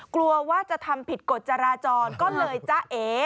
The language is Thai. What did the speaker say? กลัวว่าจะทำผิดกฎจราจรก็เลยจ้าเอ